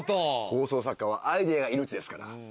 放送作家はアイデアが命ですから。